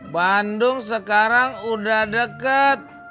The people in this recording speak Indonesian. bandung sekarang udah deket